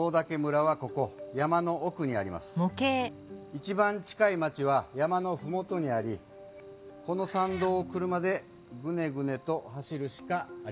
一番近い町は山のふもとにありこのさんどうを車でグネグネと走るしかありません。